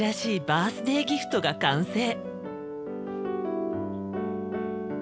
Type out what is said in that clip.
バースデーギフトが完成。